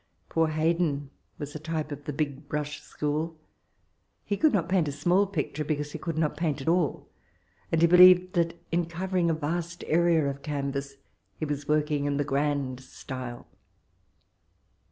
Poor Haydon was a type of the big brush school; he could not paint a small picture because he could not paint at all ; and he believed that in cover ing a vast area of canvass be was working in the grand style.